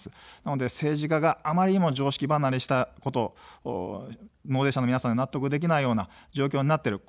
なので政治家があまりにも常識離れしたこと、納税者の皆さんが納得できないような状況になっている。